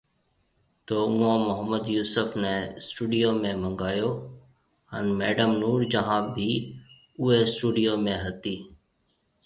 تو اوئون محمد يوسف ني اسٽوڊيو ۾ منگايو هان ميڊم نور جهان بِي اوئي اسٽوڊيو ۾ هتي